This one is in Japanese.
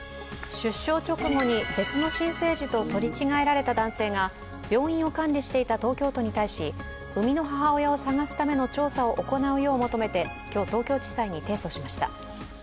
出生直後に別の新生児と取り違えられた男性が病院を管理していた東京都に対し、生みの母親を探すよう調査を行うよう求めて今日、東京地裁に提訴しました。